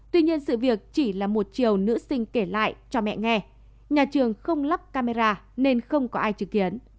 tuy nhiên sự việc chỉ là một chiều nữ sinh kể lại cho mẹ nghe nhà trường không lắp camera nên không có ai chứng kiến